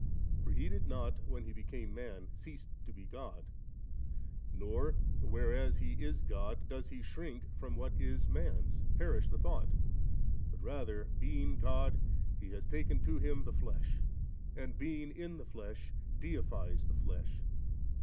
For He did noc, when He became man, cease to be God* ; not, whereas He is God does He shrink from what is man's ; perish the thought ; but rather^ being God, He has taken to Him the flesh, and being in the flesh deifies the flesh.